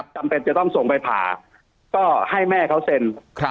จำเป็นจะต้องส่งไปผ่าก็ให้แม่เขาเซ็น